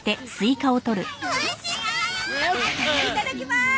いただきまーす！